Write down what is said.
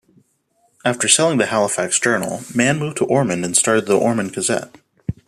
After selling the "Halifax Journal", Mann moved to Ormond and started the "Ormond Gazette".